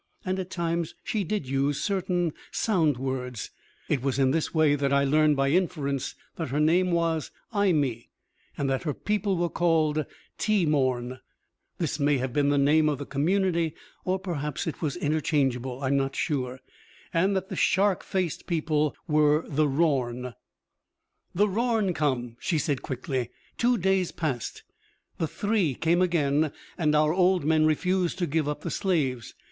And at times she did use certain sound words; it was in this way that I learned, by inference, that her name was Imee, that her people were called Teemorn (this may have been the name of the community, or perhaps it was interchangeable I am not sure) and that the shark faced people were the Rorn. "The Rorn come!" she said quickly. "Two days past, the three came again, and our old men refused to give up the slaves.